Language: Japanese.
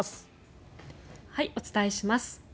お伝えします。